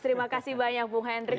terima kasih banyak bu hendrik